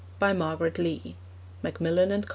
By Margaret Lee. (Macmillan and Co.)